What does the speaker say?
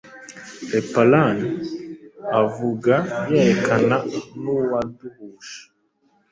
leparan avuga yerekana n'uwaduhuje